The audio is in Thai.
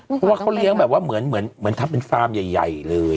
เพราะว่าเขาเลี้ยงแบบว่าเหมือนทำเป็นฟาร์มใหญ่เลย